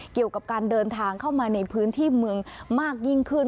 เกี่ยวกับการเดินทางเข้ามาในพื้นที่เมืองมากยิ่งขึ้น